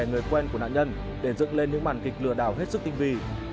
người quen của nạn nhân để dựng lên những màn kịch lừa đảo hết sức tinh vi